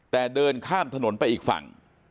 แต่เดินข้ามถนนไปอีกฝั่ง